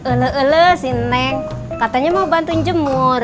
ulu ulu si neng katanya mau bantuin jemur